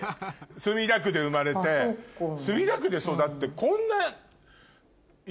墨田区で生まれて墨田区で育って。